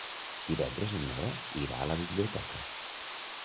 Divendres na Nora irà a la biblioteca.